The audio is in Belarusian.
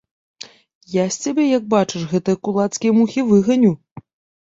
Я з цябе як бачыш гэтыя кулацкія мухі выганю!